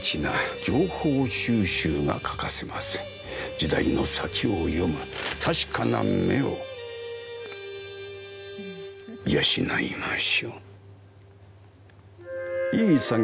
時代の先を読む確かな目を養いましょ。